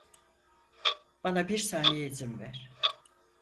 Bana bir saniye izin ver.